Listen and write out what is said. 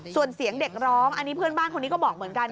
ส่วนเสียงเด็กร้องอันนี้เพื่อนบ้านคนนี้ก็บอกเหมือนกัน